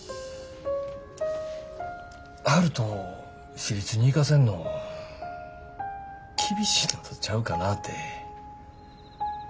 悠人私立に行かせんの厳しいのとちゃうかなぁて。